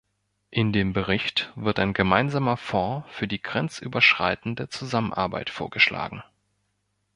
In dem Bericht wird ein gemeinsamer Fonds für die grenzüberschreitende Zusammenarbeit vorgeschlagen.